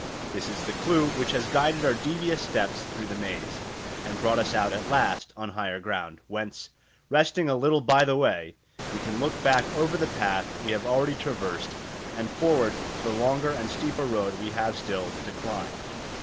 This is the clue which has guided our devious steps through the maze, and brought us out at last on higher ground, whence, resting a little by the way, we can look back over the path we have already traversed and forward to the longer and steeper road we have still to climb.